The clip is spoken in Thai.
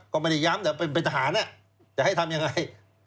ก็ไม่ได้ย้ำแต่เป็นทหารจะให้ทำยังไง